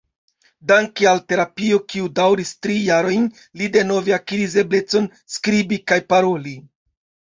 Danke al terapio kiu daŭris tri jarojn, li denove akiris eblecon skribi kaj paroli.